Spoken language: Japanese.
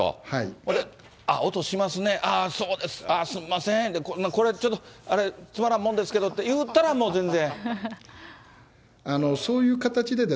それで、音しますね、ああ、そうです、ああ、すんませんって、これ、ちょっと、あれ、つまらんもんですけどって言うたら、もう全然？